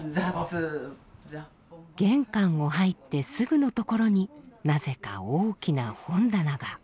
玄関を入ってすぐのところになぜか大きな本棚が。